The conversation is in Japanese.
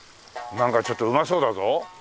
なんかちょっとうまそうだぞ。